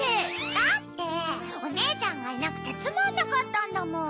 だっておねえちゃんがいなくてつまんなかったんだもん！